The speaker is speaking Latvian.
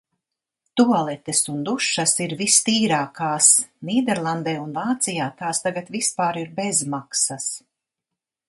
Tualetes un dušas ir vistīrākās! Nīderlandē un Vācijā tās tagad vispār ir bezmaksas.